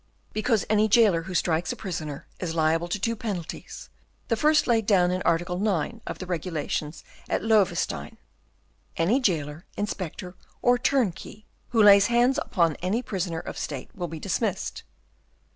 "Because any jailer who strikes a prisoner is liable to two penalties, the first laid down in Article 9 of the regulations at Loewestein: "'Any jailer, inspector, or turnkey who lays hands upon any prisoner of State will be dismissed.